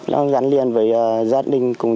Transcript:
nó gắn liền với gia đình